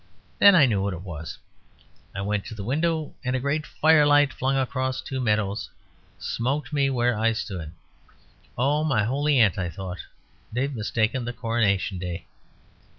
Then I knew what it was. I went to the window; and a great firelight flung across two meadows smote me where I stood. "Oh, my holy aunt," I thought, "they've mistaken the Coronation Day."